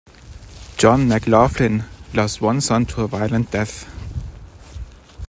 John McLoughlin lost one son to a violent death.